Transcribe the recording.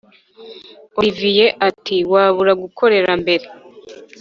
olivier ati “wabura gukorera mbere,